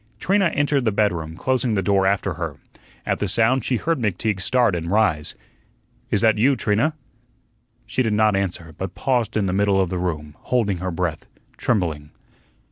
Trina entered the bedroom, closing the door after her. At the sound, she heard McTeague start and rise. "Is that you, Trina?" She did not answer; but paused in the middle of the room, holding her breath, trembling.